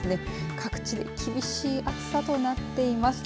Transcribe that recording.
各地で厳しい暑さとなっています。